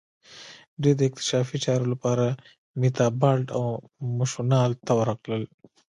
دوی د اکتشافي چارو لپاره میتابالنډ او مشونالند ته ورغلل.